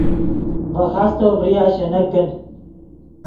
ڤے خاستو ڤریا شینک کن